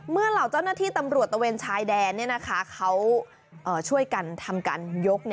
เหล่าเจ้าหน้าที่ตำรวจตะเวนชายแดนเขาช่วยกันทำการยก